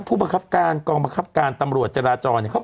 ผู้ประคับการย์กองประคับการย์ตำรวจจราจรเนี่ย